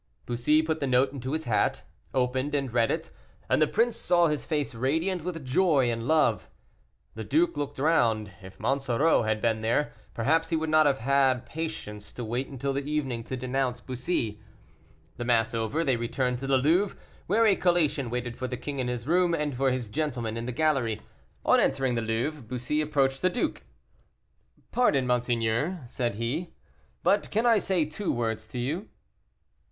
Bussy put the note into his hat, opened, and read it, and the prince saw his face radiant with joy and love. The duke looked round; if Monsoreau had been there, perhaps he would not have had patience to wait till the evening to denounce Bussy. The mass over, they returned to the Louvre, where a collation waited for the king in his room, and for his gentlemen in the gallery. On entering the Louvre, Bussy approached the duke. "Pardon, monseigneur," said he, "but can I say two words to you?"